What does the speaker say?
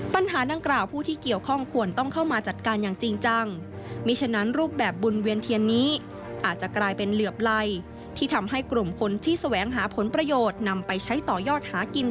ปัญหานังกราวผู้ที่เกี่ยวข้องควรต้องเข้ามาจัดการอย่างจริงจัง